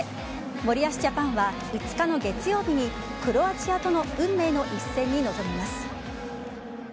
森保ジャパンは５日の月曜日にクロアチアとの運命の一戦に臨みます。